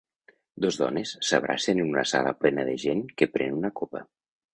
Dos dones s'abracen en una sala plena de gent que pren una copa.